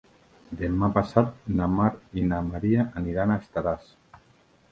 Demà passat na Mar i na Maria aniran a Estaràs.